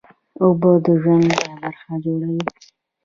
اوبه د ژوند لویه برخه جوړوي